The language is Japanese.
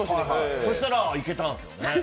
そしたら、いけたんですよね。